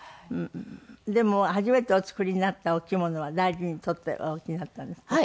でも初めてお作りになったお着物は大事に取ってお置きになったんですって？